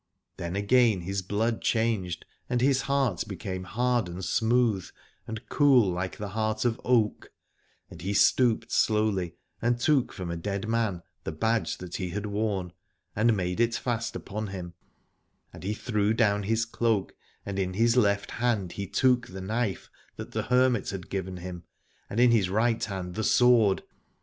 74 Aladore Then again his blood changed, and his heart became hard and smooth and cool like the heart of oak : and he stooped slowly and took from a dead man the badge that he had worn, and made it fast upon him, and he threw down his cloak and in his left hand he took the knife that the hermit had given him, and in his right hand the sword.